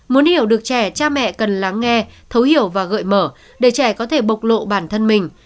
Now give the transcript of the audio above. muốn hiểu được trẻ cha mẹ cần lắng nghe thấu hiểu và gợi mở để trẻ có thể bộc lộ bản thân mình